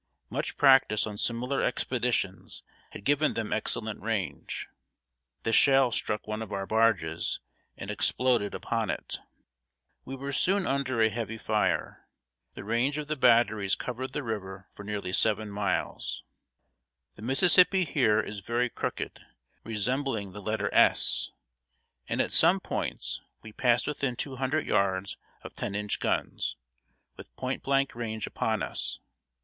Much practice on similar expeditions had given them excellent range. The shell struck one of our barges, and exploded upon it. We were soon under a heavy fire. The range of the batteries covered the river for nearly seven miles. The Mississippi here is very crooked, resembling the letter S, and at some points we passed within two hundred yards of ten inch guns, with point blank range upon us.